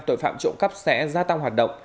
tội phạm trộm cắp sẽ gia tăng hoạt động